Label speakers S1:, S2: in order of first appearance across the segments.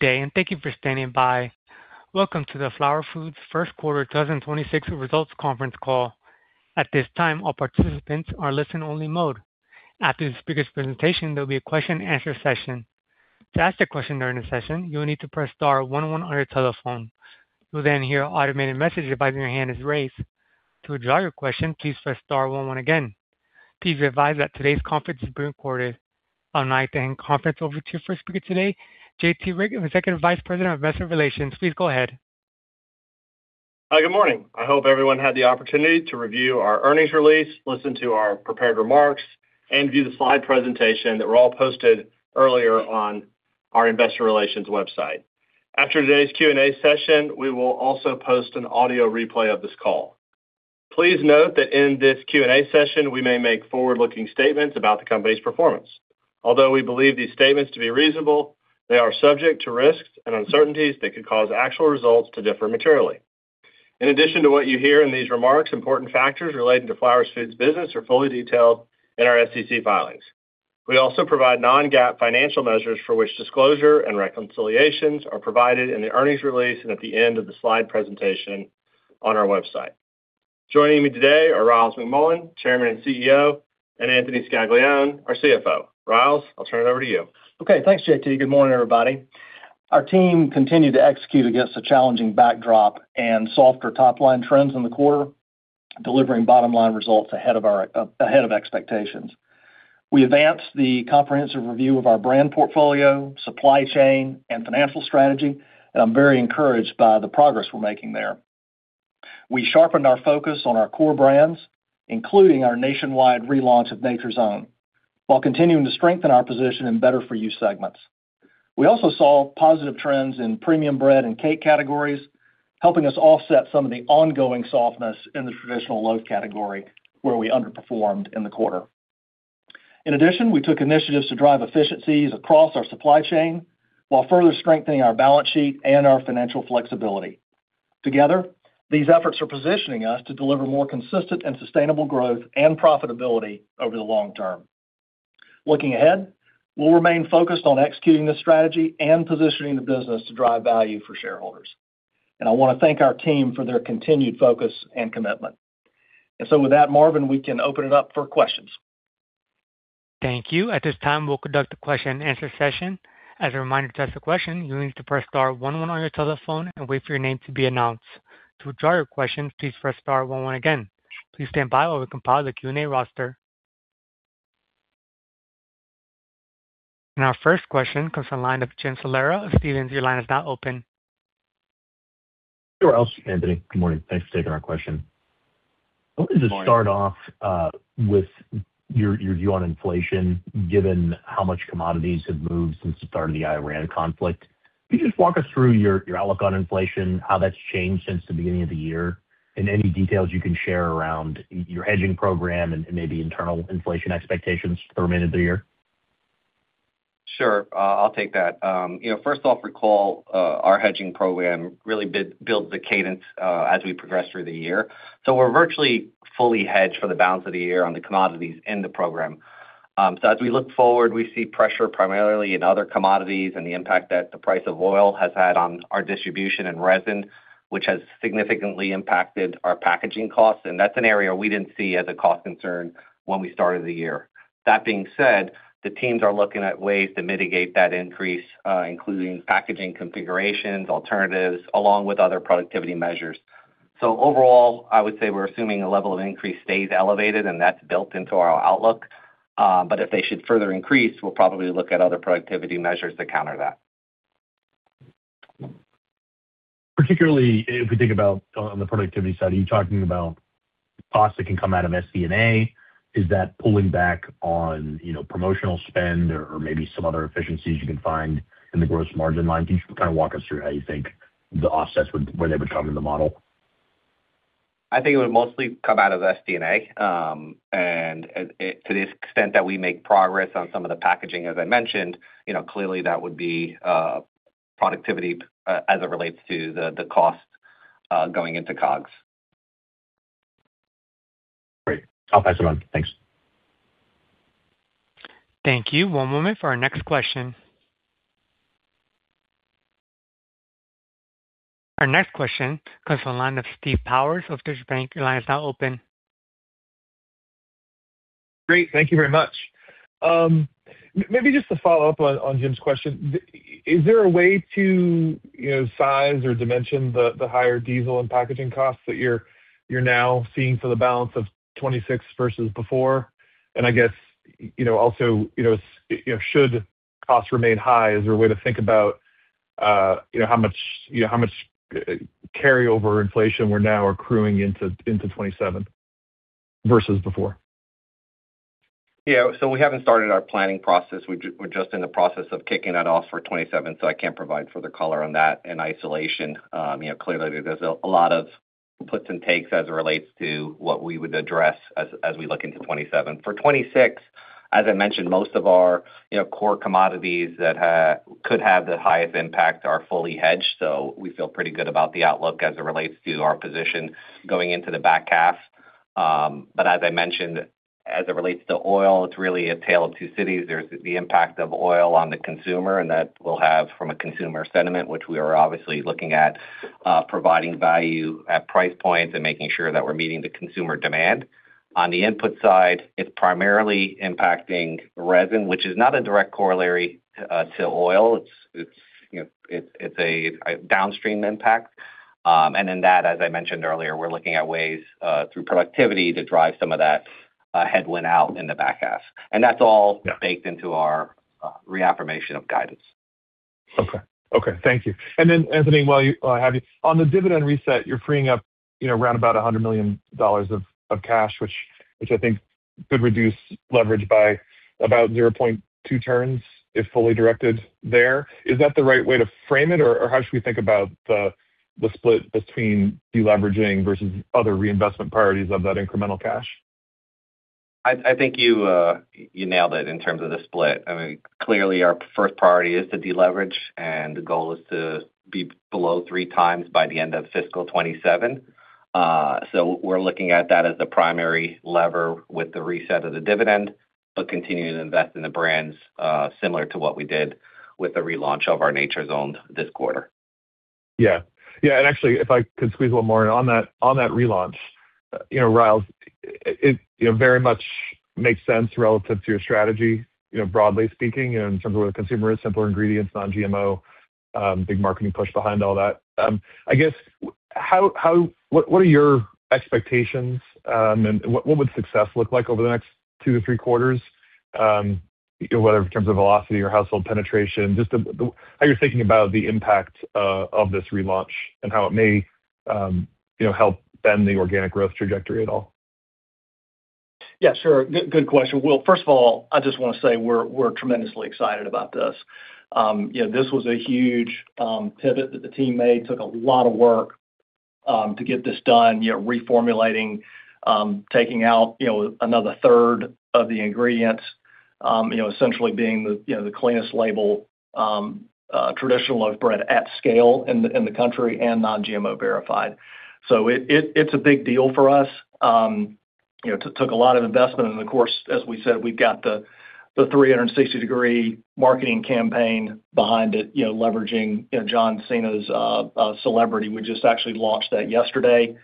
S1: Good day, and thank you for standing by. Welcome to the Flowers Foods First Quarter 2026 Results Conference Call. I'd like to hand the conference over to your first speaker today, J.T. Rieck, the second vice president of investor relations. Please go ahead.
S2: Hi. Good morning. I hope everyone had the opportunity to review our earnings release, listen to our prepared remarks, and view the slide presentation that were all posted earlier on our investor relations website. After today's Q and A session, we will also post an audio replay of this call. Please note that in this Q and A session, we may make forward-looking statements about the company's performance. Although we believe these statements to be reasonable, they are subject to risks and uncertainties that could cause actual results to differ materially. In addition to what you hear in these remarks, important factors relating to Flowers Foods business are fully detailed in our SEC filings. We also provide non-GAAP financial measures for which disclosure and reconciliations are provided in the earnings release and at the end of the slide presentation on our website. Joining me today are Ryals McMullian, Chairman and CEO, and Anthony Scaglione, our CFO. Ryals, I'll turn it over to you.
S3: Okay. Thanks, J.T. Good morning, everybody. Our team continued to execute against a challenging backdrop and softer top-line trends in the quarter, delivering bottom-line results ahead of expectations. We advanced the comprehensive review of our brand portfolio, supply chain, and financial strategy, and I'm very encouraged by the progress we're making there. We sharpened our focus on our core brands, including our nationwide relaunch of Nature's Own, while continuing to strengthen our position in better-for-you segments. We also saw positive trends in premium bread and cake categories, helping us offset some of the ongoing softness in the traditional bread category, where we underperformed in the quarter. In addition, we took initiatives to drive efficiencies across our supply chain while further strengthening our balance sheet and our financial flexibility. Together, these efforts are positioning us to deliver more consistent and sustainable growth and profitability over the long term. Looking ahead, we'll remain focused on executing this strategy and positioning the business to drive value for shareholders. I want to thank our team for their continued focus and commitment. With that, Marvin, we can open it up for questions.
S1: Thank you. At this time, we'll conduct a question and answer session. Our first question comes from the line of Jim Salera of Stephens. Your line is now open.
S4: Hey, Ryals, Anthony. Good morning. Thanks for taking our question.
S3: Good morning.
S4: I wanted to start off with your view on inflation, given how much commodities have moved since the start of the Iran conflict. Can you just walk us through your outlook on inflation, how that's changed since the beginning of the year, and any details you can share around your hedging program and maybe internal inflation expectations for the remainder of the year?
S5: Sure. I'll take that. First off, recall our hedging program really builds the cadence as we progress through the year. We're virtually fully hedged for the balance of the year on the commodities in the program. As we look forward, we see pressure primarily in other commodities and the impact that the price of oil has had on our distribution in resin, which has significantly impacted our packaging costs, and that's an area we didn't see as a cost concern when we started the year. That being said, the teams are looking at ways to mitigate that increase including packaging configurations, alternatives, along with other productivity measures. Overall, I would say we're assuming a level of increase stays elevated and that's built into our outlook. If they should further increase, we'll probably look at other productivity measures to counter that.
S4: Particularly if we think about on the productivity side, are you talking about costs that can come out of SG&A? Is that pulling back on promotional spend or maybe some other efficiencies you can find in the gross margin line? Can you just walk us through how you think the offsets, where they would come in the model?
S5: I think it would mostly come out of SG&A. To the extent that we make progress on some of the packaging, as I mentioned, clearly that would be productivity as it relates to the cost going into COGS.
S4: Great. I'll pass it on. Thanks.
S1: Thank you. One moment for our next question. Our next question comes from the line of Steve Powers of Deutsche Bank. Your line is now open.
S6: Great. Thank you very much. Maybe just to follow up on Jim's question. Is there a way to size or dimension the higher diesel and packaging costs that you're now seeing for the balance of 2026 versus before? I guess also, should costs remain high, is there a way to think about how much carryover inflation we're now accruing into 2027 versus before?
S5: We haven't started our planning process. We're just in the process of kicking that off for 2027, I can't provide further color on that in isolation. Clearly, there's a lot of puts and takes as it relates to what we would address as we look into 2027. For 2026, as I mentioned, most of our core commodities that could have the highest impact are fully hedged. We feel pretty good about the outlook as it relates to our position going into the back half. As I mentioned, as it relates to oil, it's really a tale of two cities. There's the impact of oil on the consumer, and that will have from a consumer sentiment, which we are obviously looking at providing value at price points and making sure that we're meeting the consumer demand. On the input side, it's primarily impacting resin, which is not a direct corollary to oil. It's a downstream impact. In that, as I mentioned earlier, we're looking at ways through productivity to drive some of that headwind out in the back half. That's all baked into our reaffirmation of guidance.
S6: Okay. Thank you. Anthony, while I have you, on the dividend reset, you're freeing up around about $100 million of cash, which I think could reduce leverage by about 0.2 turns if fully directed there. Is that the right way to frame it? How should we think about the split between deleveraging versus other reinvestment priorities of that incremental cash?
S5: I think you nailed it in terms of the split. Clearly, our first priority is to deleverage, and the goal is to be below three times by the end of fiscal 2027. We're looking at that as the primary lever with the reset of the dividend, but continuing to invest in the brands, similar to what we did with the relaunch of our Nature's Own this quarter.
S6: Yeah. Actually, if I could squeeze one more in on that relaunch, Ryals, it very much makes sense relative to your strategy, broadly speaking, in terms of where the consumer is, simpler ingredients, non-GMO, big marketing push behind all that. I guess, what are your expectations, and what would success look like over the next two to three quarters? Whether in terms of velocity or household penetration, just how you're thinking about the impact of this relaunch and how it may help bend the organic growth trajectory at all.
S3: First of all, I just want to say we're tremendously excited about this. This was a huge pivot that the team made. Took a lot of work to get this done. Reformulating, taking out another third of the ingredients, essentially being the cleanest label traditional loaf bread at scale in the country, and non-GMO verified. It's a big deal for us. Took a lot of investment and of course, as we said, we've got the 360-degree marketing campaign behind it, leveraging John Cena's celebrity. We just actually launched that yesterday.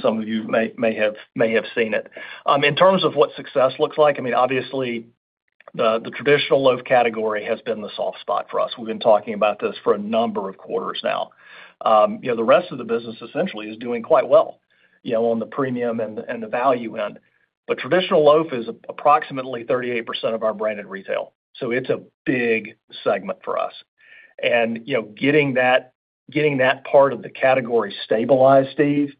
S3: Some of you may have seen it. In terms of what success looks like, obviously the traditional loaf category has been the soft spot for us. We've been talking about this for a number of quarters now. The rest of the business essentially is doing quite well on the premium and the value end. Traditional loaf is approximately 38% of our branded retail, so it's a big segment for us. Getting that part of the category stabilized, Steve,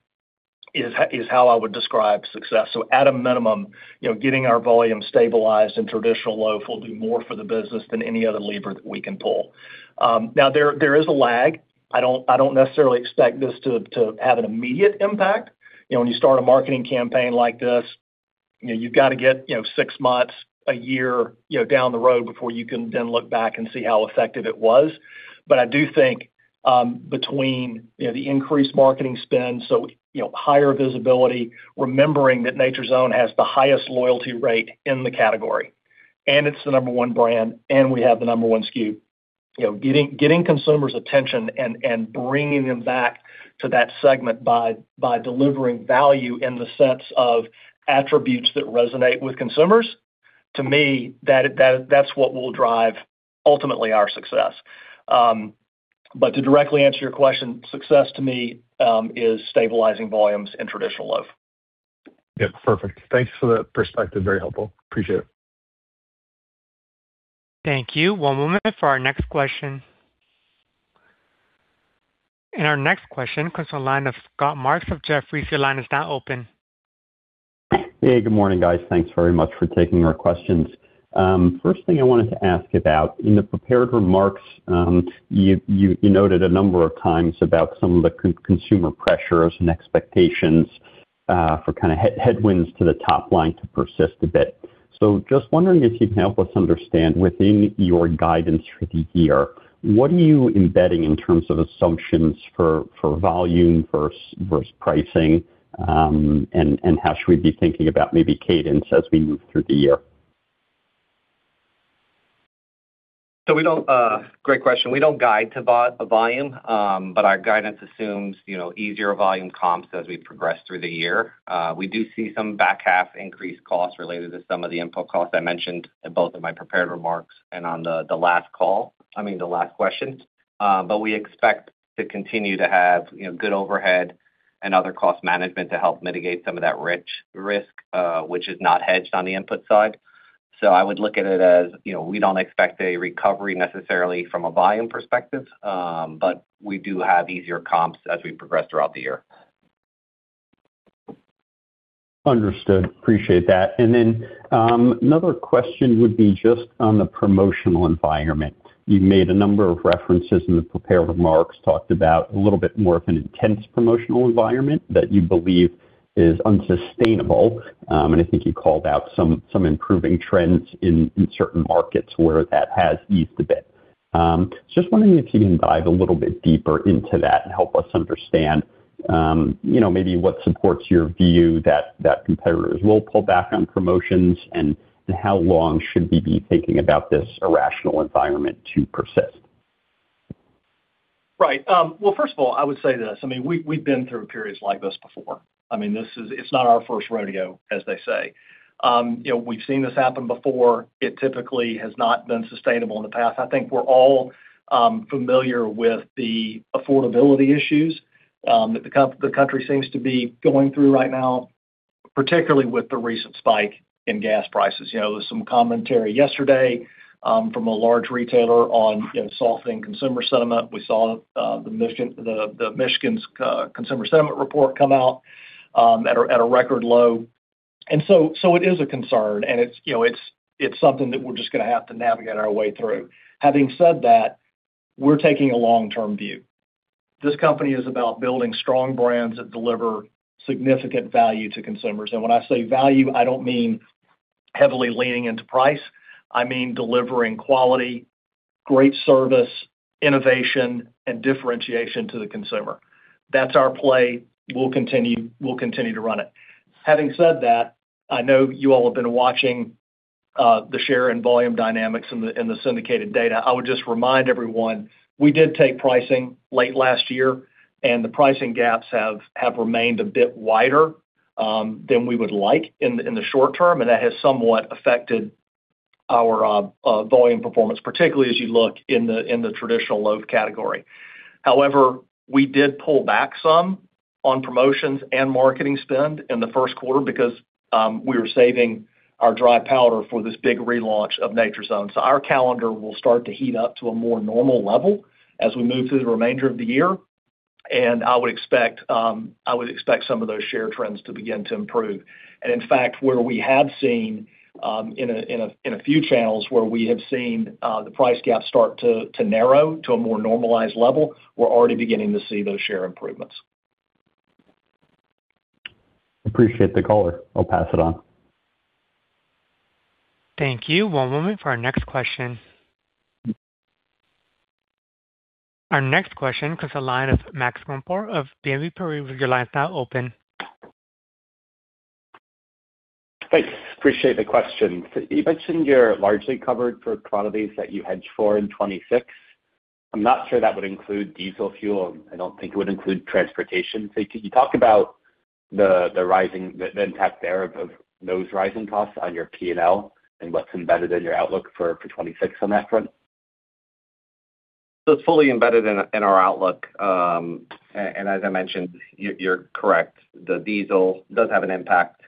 S3: is how I would describe success. At a minimum, getting our volume stabilized in traditional loaf will do more for the business than any other lever that we can pull. Now, there is a lag. I don't necessarily expect this to have an immediate impact. When you start a marketing campaign like this, you've got to get six months, one year down the road before you can then look back and see how effective it was. I do think between the increased marketing spend, so higher visibility, remembering that Nature's Own has the highest loyalty rate in the category, and it's the number 1 brand, and we have the number one SKU. Getting consumers' attention and bringing them back to that segment by delivering value in the sense of attributes that resonate with consumers, to me, that's what will drive, ultimately, our success. To directly answer your question, success to me is stabilizing volumes in traditional loaf.
S6: Perfect. Thanks for the perspective. Very helpful. Appreciate it.
S1: Thank you. One moment for our next question. Our next question comes to the line of Scott Marks from Jefferies. Your line is now open.
S7: Hey, good morning, guys. Thanks very much for taking our questions. First thing I wanted to ask about, in the prepared remarks, you noted a number of times about some of the consumer pressures and expectations for headwinds to the top line to persist a bit. Just wondering if you can help us understand within your guidance for the year, what are you embedding in terms of assumptions for volume versus pricing? How should we be thinking about maybe cadence as we move through the year?
S5: Great question. We don't guide to volume. Our guidance assumes easier volume comps as we progress through the year. We do see some back half increased costs related to some of the input costs I mentioned in both of my prepared remarks and on the last call, I mean, the last questions. We expect to continue to have good overhead and other cost management to help mitigate some of that risk, which is not hedged on the input side. I would look at it as, we don't expect a recovery necessarily from a volume perspective, but we do have easier comps as we progress throughout the year.
S7: Understood. Appreciate that. Another question would be just on the promotional environment. You made a number of references in the prepared remarks, talked about a little bit more of an intense promotional environment that you believe is unsustainable. I think you called out some improving trends in certain markets where that has eased a bit. Just wondering if you can dive a little bit deeper into that and help us understand maybe what supports your view that competitors will pull back on promotions and how long should we be thinking about this irrational environment to persist?
S3: Right. Well, first of all, I would say this, we've been through periods like this before. It's not our first rodeo, as they say. We've seen this happen before. It typically has not been sustainable in the past. I think we're all familiar with the affordability issues that the country seems to be going through right now, particularly with the recent spike in gas prices. There was some commentary yesterday from a large retailer on softening consumer sentiment. We saw the Michigan's consumer sentiment report come out at a record low. It is a concern and it's something that we're just going to have to navigate our way through. Having said that, we're taking a long-term view. This company is about building strong brands that deliver significant value to consumers. When I say value, I don't mean heavily leaning into price. I mean delivering quality, great service, innovation, and differentiation to the consumer. That's our play. We'll continue to run it. Having said that, I know you all have been watching the share and volume dynamics in the syndicated data. I would just remind everyone, we did take pricing late last year, and the pricing gaps have remained a bit wider than we would like in the short- term, and that has somewhat affected our volume performance, particularly as you look in the traditional loaf category. We did pull back some on promotions and marketing spend in the first quarter because we were saving our dry powder for this big relaunch of Nature's Own. Our calendar will start to heat up to a more normal level as we move through the remainder of the year, and I would expect some of those share trends to begin to improve. In fact, where we have seen in a few channels where we have seen the price gap start to narrow to a more normalized level, we're already beginning to see those share improvements.
S7: Appreciate the color. I'll pass it on.
S1: Thank you. One moment for our next question. Our next question comes the line of Max Gumport of BNP Paribas. Your line's now open.
S8: Thanks. Appreciate the question. You mentioned you're largely covered for commodities that you hedge for in 2026. I'm not sure that would include diesel fuel, and I don't think it would include transportation. Could you talk about the impact there of those rising costs on your P&L and what's embedded in your outlook for 2026 on that front?
S5: It's fully embedded in our outlook. As I mentioned, you're correct. The diesel does have an impact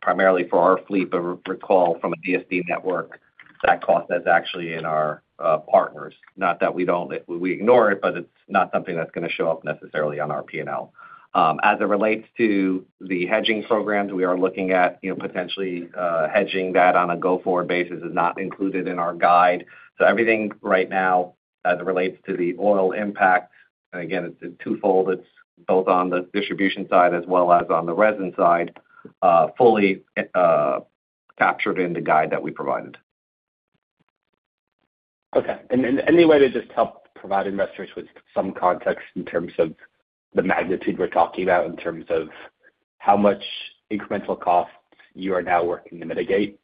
S5: primarily for our fleet, but recall from a DSD network, that cost that's actually in our partners, not that we ignore it, but it's not something that's going to show up necessarily on our P&L. As it relates to the hedging programs we are looking at, potentially hedging that on a go-forward basis is not included in our guide. Everything right now as it relates to the oil impact, and again, it's twofold, it's both on the distribution side as well as on the resin side, fully captured in the guide that we provided.
S8: Okay. Any way to just help provide investors with some context in terms of the magnitude we're talking about in terms of how much incremental costs you are now working to mitigate,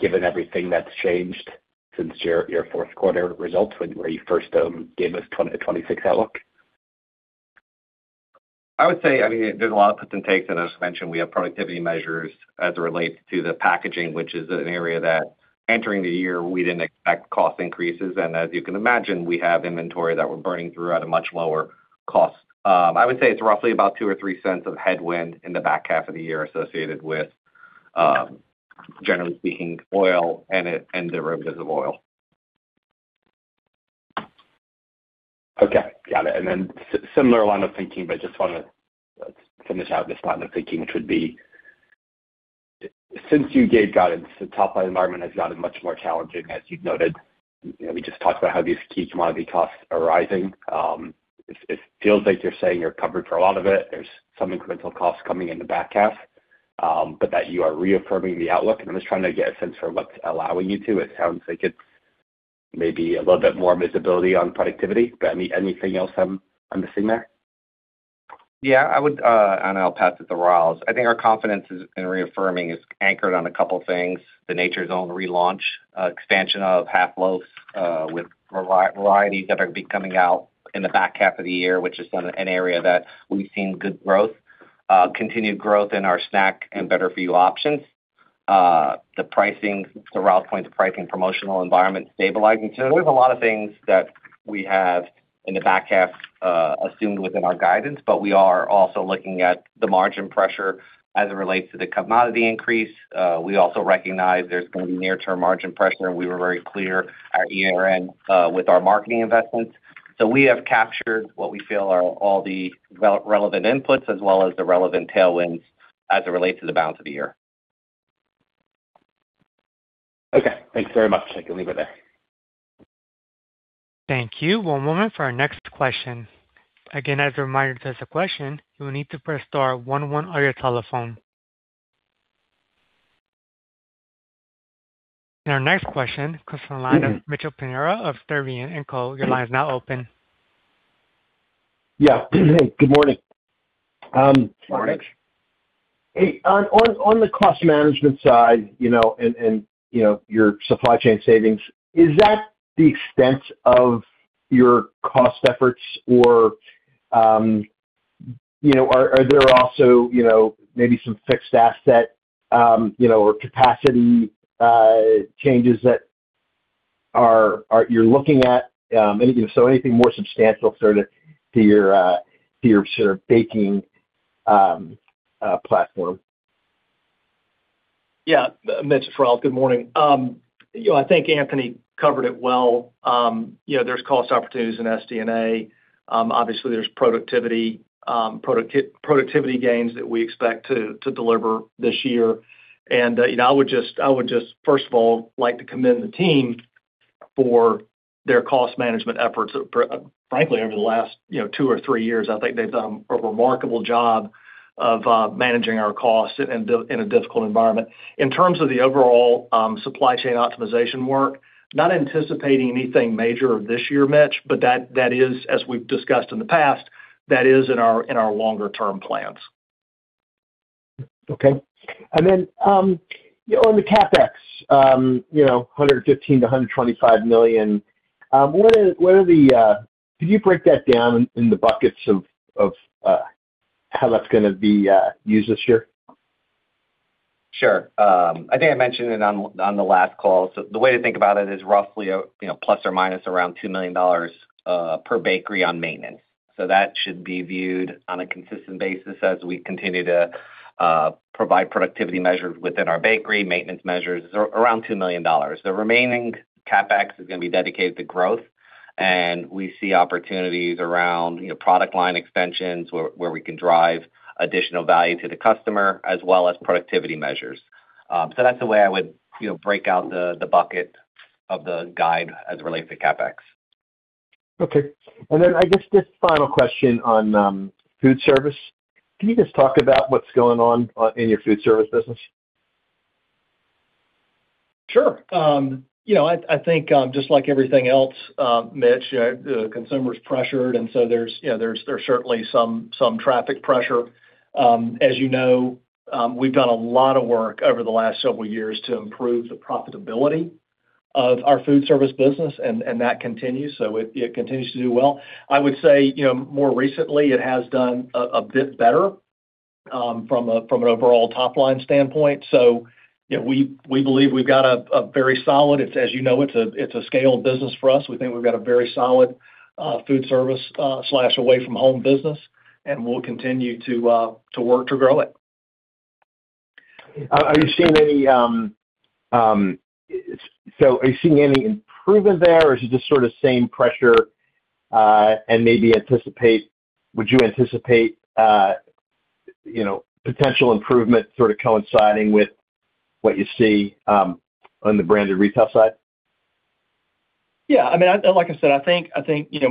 S8: given everything that's changed since your fourth quarter results when you first gave us the 2026 outlook?
S5: I would say, there's a lot of puts and takes, and as mentioned, we have productivity measures as it relates to the packaging, which is an area that entering the year, we didn't expect cost increases, and as you can imagine, we have inventory that we're burning through at a much lower cost. I would say it's roughly about $0.02 or $0.03 of headwind in the back half of the year associated with, generally speaking, oil and derivatives of oil.
S8: Okay. Got it. Similar line of thinking, but just want to finish out this line of thinking, which would be, since you gave guidance, the top-line environment has gotten much more challenging, as you've noted. We just talked about how these key commodity costs are rising. It feels like you're saying you're covered for a lot of it. There's some incremental costs coming in the back half, but that you are reaffirming the outlook. I'm just trying to get a sense for what's allowing you to. It sounds like it's maybe a little bit more visibility on productivity, but anything else I'm missing there?
S5: Yeah. I'll pass it to Ryals. I think our confidence in reaffirming is anchored on a couple things. The Nature's Own relaunch expansion of half loaves with varieties that are going to be coming out in the back half of the year, which is an area that we've seen good growth. Continued growth in our snack and better-for-you options. To Ryals's point, the pricing promotional environment stabilizing too. We have a lot of things that we have in the back half assumed within our guidance, but we are also looking at the margin pressure as it relates to the commodity increase. We also recognize there's going to be near-term margin pressure, and we were very clear at year-end with our marketing investments. We have captured what we feel are all the relevant inputs as well as the relevant tailwinds as it relates to the balance of the year.
S8: Okay. Thanks very much. I can leave it there.
S1: Our next question comes from the line of Mitchell Pinheiro of Stifel Nicolaus. Your line is now open.
S9: Yeah. Good morning.
S3: Good morning.
S9: On the cost management side and your supply chain savings, is that the extent of your cost efforts? Are there also maybe some fixed asset or capacity changes that you're looking at? Anything more substantial to your baking platform?
S3: Yeah. Mitch, it's Ryals. Good morning. I think Anthony covered it well. There's cost opportunities in SG&A. Obviously, there's productivity gains that we expect to deliver this year. I would just, first of all, like to commend the team for their cost management efforts, frankly, over the last two or three years. I think they've done a remarkable job of managing our costs in a difficult environment. In terms of the overall supply chain optimization work, not anticipating anything major this year, Mitch, but that is, as we've discussed in the past, that is in our longer-term plans.
S9: Okay. On the CapEx, $115 million-$125 million. Could you break that down in the buckets of how that's going to be used this year?
S5: Sure. I think I mentioned it on the last call. The way to think about it is roughly ±$2 million per bakery on maintenance. That should be viewed on a consistent basis as we continue to provide productivity measures within our bakery, maintenance measures, around $2 million. The remaining CapEx is going to be dedicated to growth, and we see opportunities around product line extensions where we can drive additional value to the customer, as well as productivity measures. That's the way I would break out the bucket of the guide as it relates to CapEx.
S9: Okay. I guess just final question on food service. Can you just talk about what's going on in your food service business?
S3: Sure. I think just like everything else, Mitch, the consumer's pressured and so there's certainly some traffic pressure. As you know, we've done a lot of work over the last several years to improve the profitability of our food service business, and that continues. It continues to do well. I would say, more recently, it has done a bit better from an overall top-line standpoint. We believe we've got a very solid, as you know, it's a scaled business for us. We think we've got a very solid food service/away from home business, and we'll continue to work to grow it.
S9: Are you seeing any improvement there, or is it just sort of same pressure and maybe would you anticipate potential improvement coinciding with what you see on the branded retail side?
S3: Yeah, like I said, I think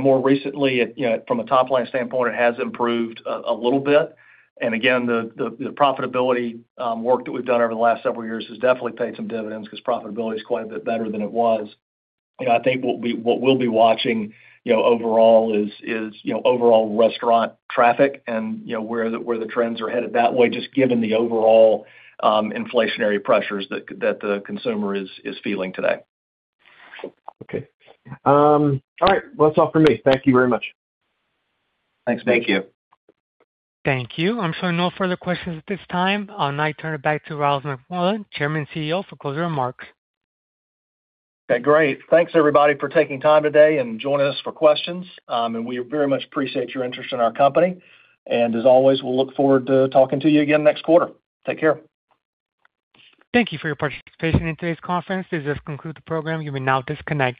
S3: more recently, from a top-line standpoint, it has improved a little bit. Again, the profitability work that we've done over the last several years has definitely paid some dividends because profitability is quite a bit better than it was. I think what we'll be watching overall is overall restaurant traffic and where the trends are headed that way, just given the overall inflationary pressures that the consumer is feeling today.
S9: Okay. All right. Well, that's all for me. Thank you very much.
S3: Thanks, Mitch.
S2: Thank you.
S1: Thank you. I'm showing no further questions at this time. I'll now turn it back to Ryals McMullian, Chairman, CEO, for closing remarks.
S3: Okay, great. Thanks, everybody, for taking time today and joining us for questions. We very much appreciate your interest in our company. As always, we'll look forward to talking to you again next quarter. Take care.
S1: Thank you for your participation in today's conference. This does conclude the program. You may now disconnect.